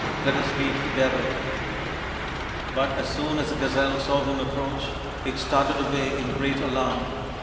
Let us weep together/' But as soon as the gazelle saw him approach, it started away in great alarm.